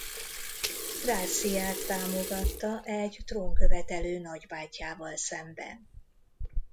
Garcíát támogatta egy trónkövetelő nagybátyjával szemben.